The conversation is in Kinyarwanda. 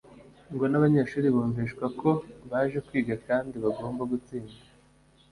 ngo n’abanyeshuri bumvishwa ko baje kwiga kandi bagomba gutsinda